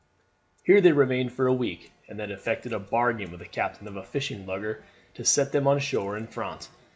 Here they remained for a week, and then effected a bargain with the captain of a fishing lugger to set them on shore in France.